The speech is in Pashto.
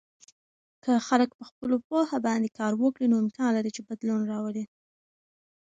که خلک په خپلو پوهه باندې کار وکړي، نو امکان لري چې بدلون راولي.